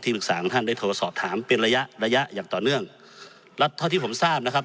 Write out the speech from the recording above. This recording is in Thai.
ปรึกษาของท่านได้โทรสอบถามเป็นระยะระยะอย่างต่อเนื่องและเท่าที่ผมทราบนะครับ